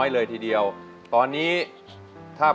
ร้องได้ร้องได้